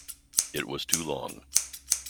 It was to long.